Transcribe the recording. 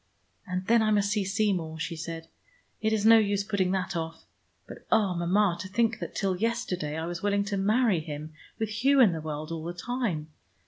"And then I must see Seymour," she said. "It is no use putting that off. But, oh, Mama, to think that till yesterday I was willing to marry him, with Hugh in the world all the time.